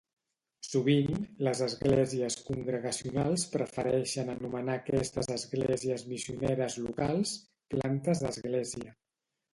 Sovint, les esglésies congregacionals prefereixen anomenar aquestes esglésies missioneres locals "plantes d'església".